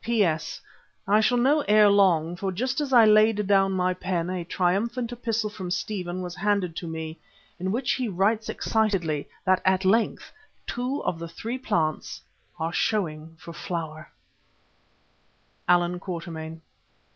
P.S. I shall know ere long, for just as I laid down my pen a triumphant epistle from Stephen was handed to me in which he writes excitedly that at length two of the three plants are showing for flower. Allan Quatermain.